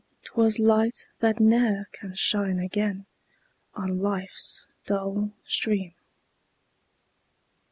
'twas light that ne'er can shine again On life's dull stream.